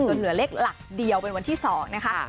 เหลือเลขหลักเดียวเป็นวันที่๒นะคะ